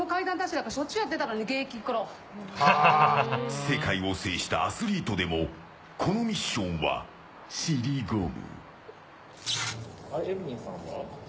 世界を制したアスリートでもこのミッションは尻込む。